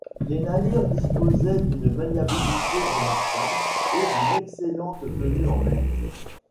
Les navires disposaient d'une maniabilité remarquable et d'une excellente tenue en mer.